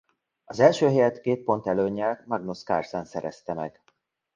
Az első helyet két pont előnnyel Magnus Carlsen szerezte meg.